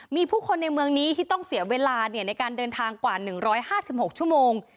มีผู้คนในเมืองนี้ที่ต้องเสียเวลาในการเดินทางกว่า๑๕๖ชั่วโมง